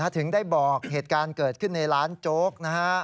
ถึงได้บอกเหตุการณ์เกิดขึ้นในร้านโจ๊กนะฮะ